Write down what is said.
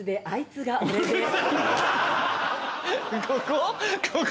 ここ？